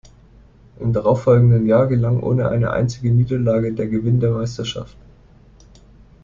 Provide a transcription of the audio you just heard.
Im darauffolgenden Jahr gelang ohne eine einzige Niederlage der Gewinn der Meisterschaft.